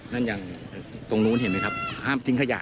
นั่นอย่างตรงนู้นเห็นไหมครับห้ามทิ้งขยะ